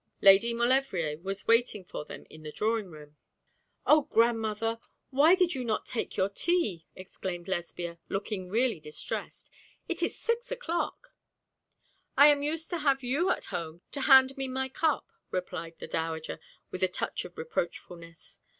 Lady Maulevrier was waiting for them in the drawing room. 'Oh, grandmother, why did you not take your tea!' exclaimed Lesbia, looking really distressed. 'It is six o'clock.' 'I am used to have you at home to hand me my cup,' replied the dowager, with a touch of reproachfulness.